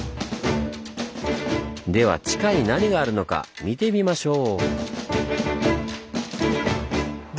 では地下に何があるのか見てみましょう！